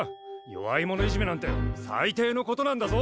弱い者いじめなんて最低のことなんだぞ。